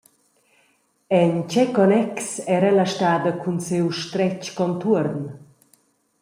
En tgei connex era ella stada cun siu stretg contuorn?